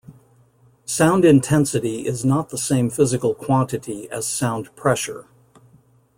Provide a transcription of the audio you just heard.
Sound intensity is not the same physical quantity as sound pressure.